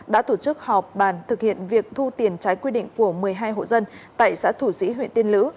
đã tổ chức họp bàn thực hiện việc thu tiền trái quy định của một mươi hai hộ dân tại xã thủ sĩ huyện tiên lữ